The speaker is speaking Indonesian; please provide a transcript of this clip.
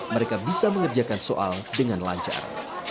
mereka bisa mengerjakan soal dengan lancar